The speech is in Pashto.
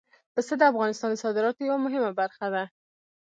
پسه د افغانستان د صادراتو یوه مهمه برخه ده.